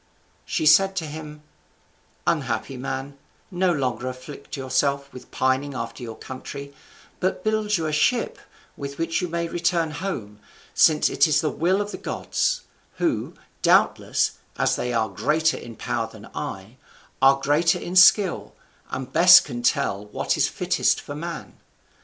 She said to him: "Unhappy man, no longer afflict yourself with pining after your country, but build you a ship, with which you may return home, since it is the will of the gods; who, doubtless, as they are greater in power than I, are greater in skill, and best can tell what is fittest for man.